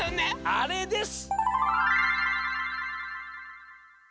あれです！